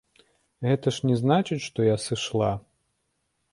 Гэта ж не значыць, што я сышла.